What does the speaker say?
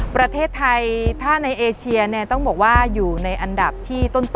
ประเทศไทยถ้าในเอเชียเนี่ยต้องบอกว่าอยู่ในอันดับที่ต้น